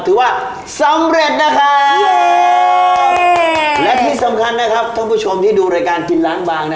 ถือว่าสำเร็จนะครับ